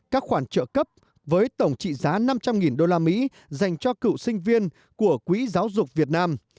các khoản trợ cấp với tổng trị giá năm trăm linh usd dành cho cựu sinh viên của quỹ giáo dục việt nam